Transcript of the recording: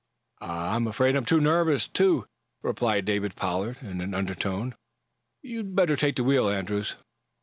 "I I'm afraid I'm too nervous to," replied David Pollard, in an undertone. "You'd better take the wheel, Andrews."